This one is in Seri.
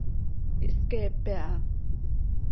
Ihsqueepe aha.